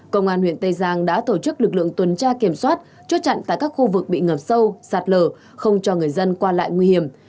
công an huyện tây giang đã tổ chức lực lượng tuần tra kiểm soát chốt chặn tại các khu vực bị ngập sâu sạt lở không cho người dân qua lại nguy hiểm